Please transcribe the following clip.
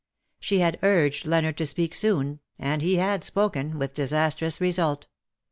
She had urged Leonard to speak soon — and he had spoken — with disastrous result.